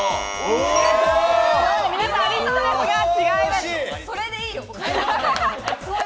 皆さんありそうですが違います。